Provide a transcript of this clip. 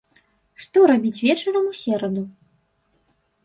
Што рабіць вечарам у сераду?